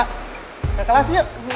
ke kelas yuk